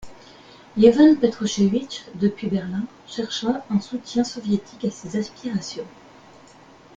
Yevhen Petrouchevytch depuis Berlin, chercha un soutien soviétique à ses aspirations.